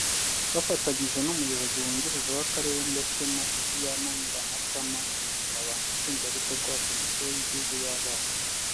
Bafatanije n'umuyobozi wungirije w'Akarere ndetse na Zaina Nyiramatama umunyamabanga nshingwabikorwa wa komisiyo y'igihugu y'abana